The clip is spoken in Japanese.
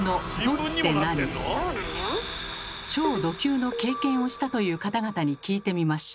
超ド級の経験をしたという方々に聞いてみました。